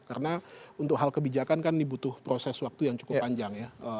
karena untuk hal kebijakan kan dibutuh proses waktu yang cukup panjang ya